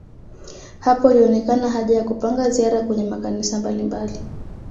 Hapo ilionekana haja ya kupanga ziara kwenye makanisa mbalimbali